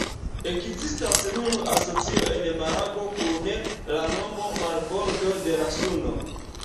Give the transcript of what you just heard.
Ekzistas nun asocio en Malago, kun la nomo «Marbordo de la Suno».